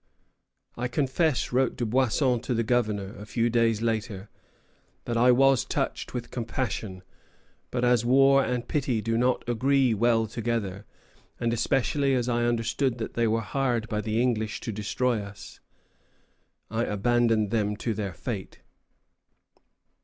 "I confess," wrote Dubuisson to the governor, a few days later, "that I was touched with compassion; but as war and pity do not agree well together, and especially as I understood that they were hired by the English to destroy us, I abandoned them to their fate."